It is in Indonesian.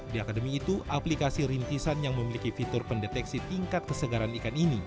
di akademi itu aplikasi rintisan yang memiliki fitur pendeteksi tingkat kesegaran ikan ini